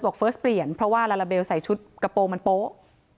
เฟิร์สเปลี่ยนเพราะว่าลาลาเบลใส่ชุดกระโปรงมันโป๊ะ